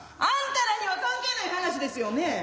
あんたらには関係ない話ですよね。